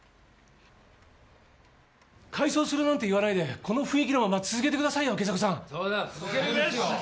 改装するなんて言わないでこの雰囲気のまま続けてくださいよ今朝子さん。